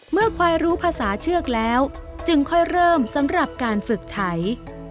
เมื่อควายรู้ภาษาเชือกแล้วจึงค่อยเริ่มสำหรับการฝึกไถ